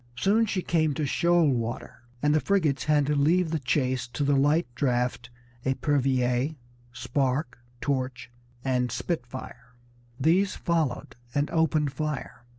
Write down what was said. Soon she came to shoal water, and the frigates had to leave the chase to the light draught Epervier, Spark, Torch, and Spitfire. These followed and opened fire.